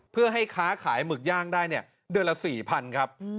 เพื่อให้ค้าขายหมึกย่างได้เนี่ยเดือนละ๔๐๐๐ครับ